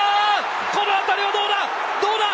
この当たりはどうだ？